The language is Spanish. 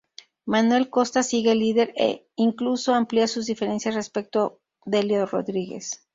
Manuel Costa sigue líder e, incluso amplía sus diferencias respecto Delio Rodríguez.